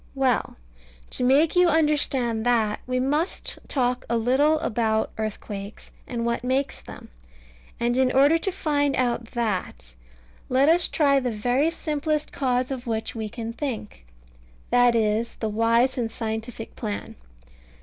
Well, to make you understand that, we must talk a little about earthquakes, and what makes them; and in order to find out that, let us try the very simplest cause of which we can think. That is the wise and scientific plan.